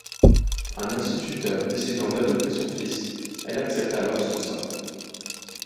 Un instituteur décidant d'adopter son fils, elle accepte alors son sort.